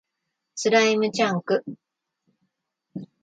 スライムチャンク